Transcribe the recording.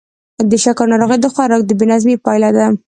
د شکرو ناروغي د خوراک د بې نظمۍ پایله ده.